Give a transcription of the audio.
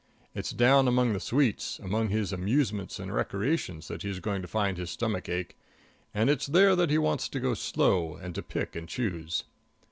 It's down among the sweets, among his amusements and recreations, that he's going to find his stomach ache, and it's there that he wants to go slow and to pick and choose.